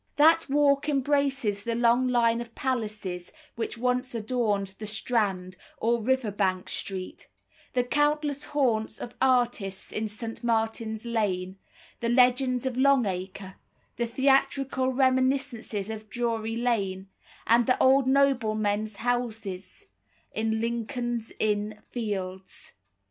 That walk embraces the long line of palaces which once adorned the Strand, or river bank street, the countless haunts of artists in St. Martin's Lane, the legends of Longacre, the theatrical reminiscences of Drury Lane, and the old noblemen's houses in Lincoln's Inn Fields.